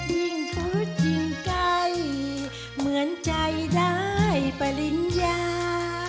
ยิ่งทุกข์ยิ่งใกล้เหมือนใจได้ปริญญา